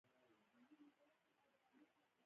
چرګ د چرګې څخه په ډار کې و، نو يې ورته سندرې وويلې